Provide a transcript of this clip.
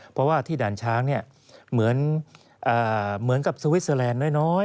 เพราะว่าที่ด่านช้างเหมือนกับสวิสเตอร์แลนด์น้อย